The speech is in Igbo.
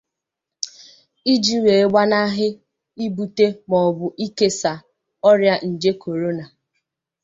iji wee gbanahị ibute maọbụ ikesà ọrịa nje korona